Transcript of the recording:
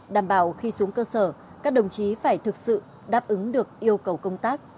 đảm bảo khi xuống cơ sở các đồng chí phải thực sự đáp ứng được yêu cầu công tác